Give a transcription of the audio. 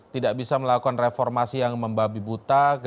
tidak bisa melakukan reformasi yang membabi buta